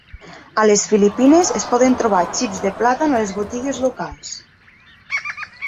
A les Filipines, es poden trobar xips de plàtan a les botigues locals.